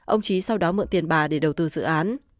ông trí sau đó mượn tiền bà để đầu tư dự án